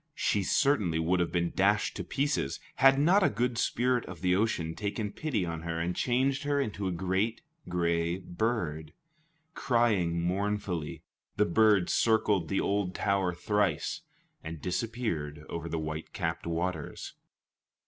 She certainly would have been dashed to pieces, had not a good spirit of the ocean taken pity on her, and changed her into a great gray bird. Crying mournfully, the bird circled the old tower thrice, and disappeared over the white capped waters.